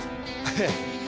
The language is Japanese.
ええ。